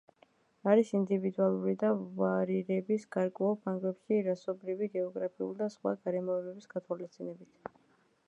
არის ინდივიდუალური და ვარირებს გარკვეულ ფარგლებში რასობრივი, გეოგრაფიული და სხვა გარემოებების გათვალისწინებით.